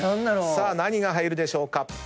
さあ何が入るでしょうか？